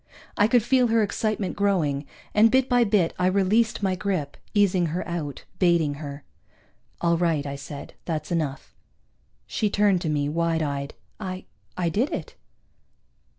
I could feel her excitement growing, and bit by bit I released my grip, easing her out, baiting her. "All right," I said. "That's enough." She turned to me, wide eyed. "I I did it."